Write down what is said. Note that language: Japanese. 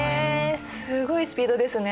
すごいスピードですね。